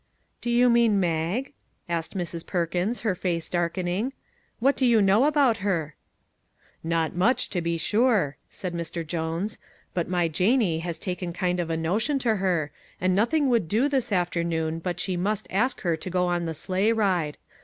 " Do you mean Mag? " asked Mrs. Perkins, her face darkening. " What do you know about her? " "Not much, to be sure," said Mr. Jones; "but my Janie has taken kind of a notion to her, and nothing would do this afternoon but she must ask her to go on the sleigh ride.